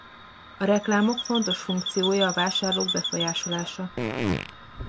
A reklámok fontos funkciója a vásárlók befolyásolása.